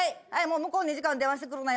向こう２時間電話してくるなよ。